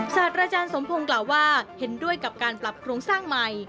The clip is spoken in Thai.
ศาสตราจารย์สมพงศ์กล่าวว่าเห็นด้วยกับการปรับโครงสร้างใหม่